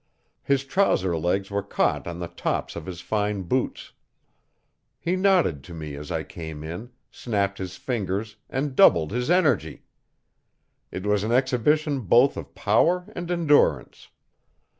His trouser legs were caught on the tops of his fine boots. He nodded to me as I came in, snapped his fingers and doubled his energy. It was an exhibition both of power and endurance.